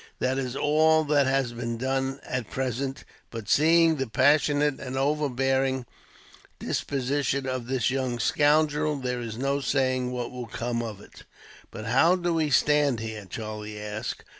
"That is all that has been done, at present; but, seeing the passionate and overbearing disposition of this young scoundrel, there is no saying what will come of it." "But how do we stand here?" Charlie asked.